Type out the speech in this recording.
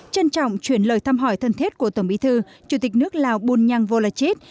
trân trọng chuyển lời thăm hỏi thân thiết của tổng bí thư chủ tịch nước lào bunyang volachit